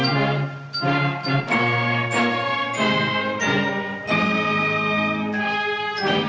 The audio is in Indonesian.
pada tahun seribu sembilan ratus tujuh puluh